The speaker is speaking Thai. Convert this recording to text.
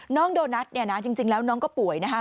น้องโดนัทเนี่ยนะจริงแล้วน้องก็ป่วยนะคะ